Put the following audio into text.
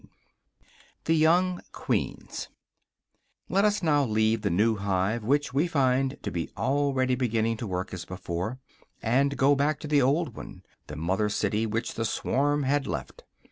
IV THE YOUNG QUEENS Let us now leave the new hive, which we find to be already beginning to work as before, and go back to the old one, the mother city, which the swarm had left.